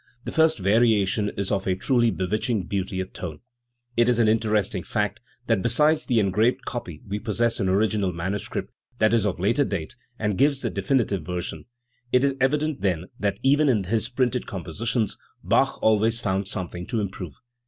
The first variation is of a truly bewitching beauty of tone. It is an interesting fact that besides the engraved copy we possess an original manuscript, that is of later date, and gives the definitive version. It is evident, then, that even in his printed compositions Bach always found something to improve.